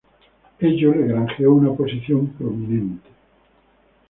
Ello le granjeó una posición prominente.